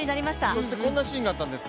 そして、こんなシーンがあったんです。